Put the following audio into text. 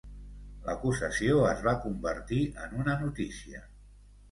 L'acusació es va convertir en una notícia.